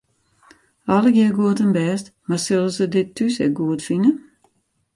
Allegearre goed en bêst, mar sille se dit thús ek goed fine?